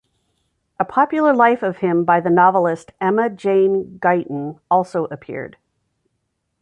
A popular life of him by the novelist Emma Jane Guyton also appeared.